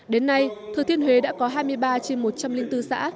đến nay thừa thiên huế đã có hai mươi ba trên một trăm linh linh tư xã